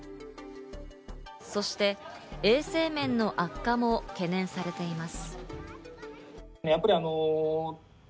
そして衛生面の悪化も懸念されています。